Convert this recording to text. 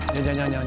jangan jangan jangan